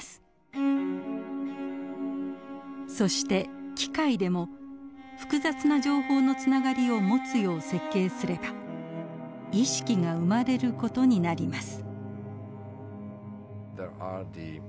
そして機械でも複雑な情報のつながりを持つよう設計すれば意識が生まれる事になります。